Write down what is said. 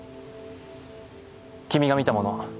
君が見たもの